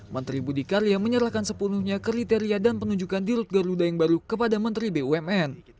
menteri budi karya menyerahkan sepenuhnya kriteria dan penunjukan dirut garuda yang baru kepada menteri bumn